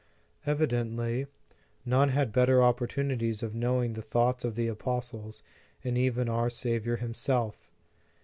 Evidently, none have had better opportunities of knowing the thoughts of the apostles, and even of our Saviour Himself.